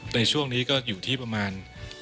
ในช่วงนี้ก็อยู่ที่ประมาณ